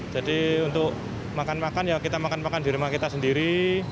jadi untuk makan makan ya kita makan makan di rumah kita sendiri